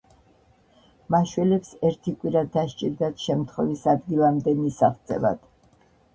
მაშველებს ერთი კვირა დასჭირდათ შემთხვევის ადგილამდე მისაღწევად.